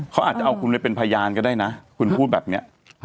เขาอาจจะเอาคุณไปเป็นพยานก็ได้นะคุณพูดแบบนี้